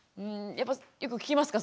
やっぱよく聞きますか？